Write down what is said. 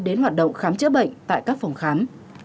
đến hoạt động khám chữa bệnh tại các phòng khám